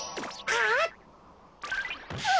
ああ。